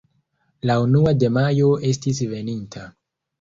La unua de Majo estis veninta.